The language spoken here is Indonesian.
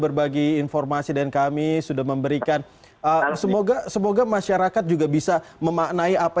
berbagi informasi dan kami sudah memberikan semoga semoga masyarakat juga bisa memaknai apa